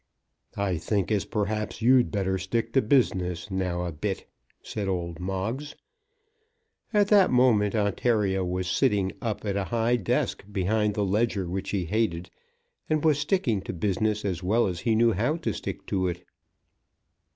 "I think as perhaps you'd better stick to business now a bit," said old Moggs. At that moment Ontario was sitting up at a high desk behind the ledger which he hated, and was sticking to business as well as he knew how to stick to it.